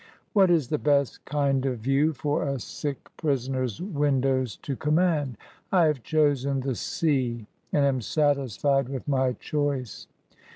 What is the best kind of view for a sick pri NATURE TO THB INVALID. 45 Boner's windows to command ? I have chosen the sea^ and am satisfied with my choice.